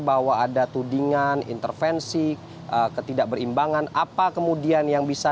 bahwa ada tudingan intervensi ketidakberimbangan apa kemudian yang bisa